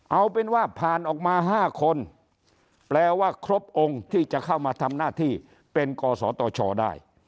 เอาเป็นว่าผ่านออกมา๕คนแปลว่าครบองค์ที่จะเข้ามาทำหน้าที่เป็นกศตชได้